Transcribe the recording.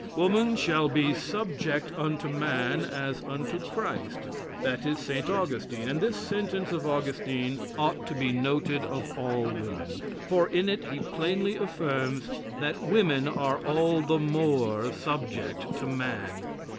"Woman shall be subject unto man as unto Christ." That is St. Augustine, and this sentence of Augustine ought to be noted of all women, for in it he plainly affirms that women are all the more subject to man.